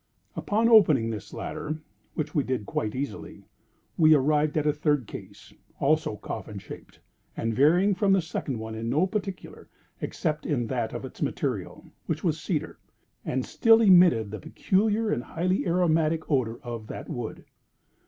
Upon opening this latter (which we did quite easily), we arrived at a third case, also coffin shaped, and varying from the second one in no particular, except in that of its material, which was cedar, and still emitted the peculiar and highly aromatic odor of that wood.